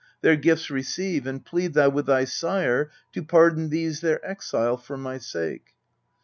Their gifts receive, and plead thou with thy sire To pardon these their exile for my sake."